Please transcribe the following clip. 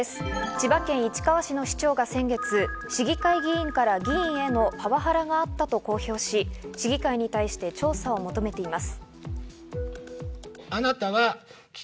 千葉県市川市の市長が先月、市議会議員から議員へのパワハラがあったと公表し、市議会に対して調査を求めています。